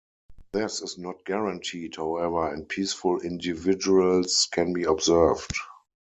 This is not guaranteed, however, and peaceful individuals can be observed.